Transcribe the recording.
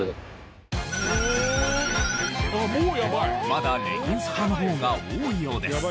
まだレギンス派の方が多いようです。